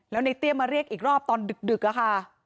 แล้วในเตี้ยมาเรียกอีกรอบตอนดึกอะค่ะ